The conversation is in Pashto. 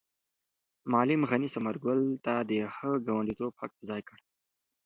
معلم غني ثمر ګل ته د ښه ګاونډیتوب حق په ځای کړ.